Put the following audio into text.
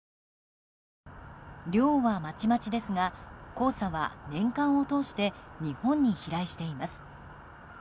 量はまちまちですが黄砂は年間を通して日本に飛来しています。